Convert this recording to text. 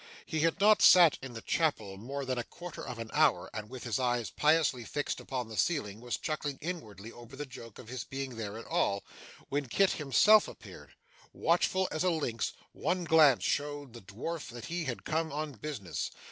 He had not sat in the chapel more than a quarter of an hour, and with his eyes piously fixed upon the ceiling was chuckling inwardly over the joke of his being there at all, when Kit himself appeared. Watchful as a lynx, one glance showed the dwarf that he had come on business.